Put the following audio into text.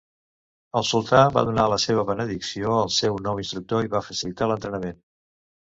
El sultà va donar la seva benedicció al seu nou instructor i va facilitar l'entrenament.